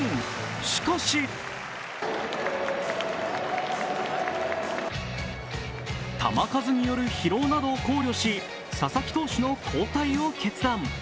しかし球数による疲労などを考慮し佐々木投手の交代を決断。